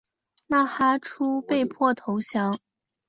纳哈出被迫投降。